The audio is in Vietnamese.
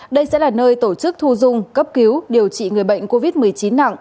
đây sẽ là nơi tổ chức thu dung cấp cứu điều trị người bệnh covid một mươi chín nặng